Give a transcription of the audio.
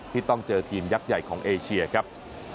ที่ต้องเจอทีมยักษ์ใหญ่ของเอเชียครับ